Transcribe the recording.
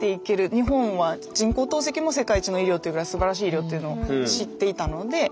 日本は人工透析も世界一の医療というぐらいすばらしい医療というのを知っていたので。